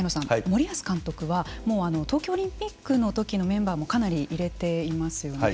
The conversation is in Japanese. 森保監督は東京オリンピックの時のメンバーもかなり入れていますよね。